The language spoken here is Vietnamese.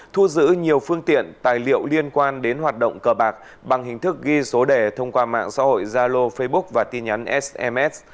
một phương tiện tài liệu liên quan đến hoạt động cờ bạc bằng hình thức ghi số đề thông qua mạng xã hội zalo facebook và tin nhắn sms